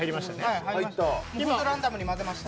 ランダムに混ぜました。